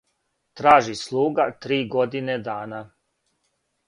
Тражи слуга три године дана,